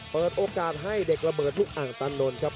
เปิดโอกาสให้เด็กระเบิดลูกอ่างตันนท์ครับ